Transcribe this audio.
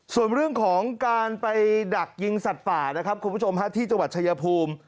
ส่วนเรื่องของการไปดักยิงสัตว์ป่านะครับคุณผู้ชมฮะที่จังหวัดชายภูมิ